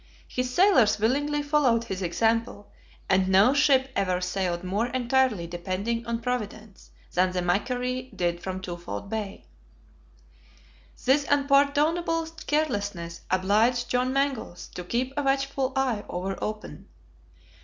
His sailors willingly followed his example, and no ship ever sailed more entirely depending on Providence than the MACQUARIE did from Twofold Bay. This unpardonable carelessness obliged John Mangles to keep a watchful eye ever open.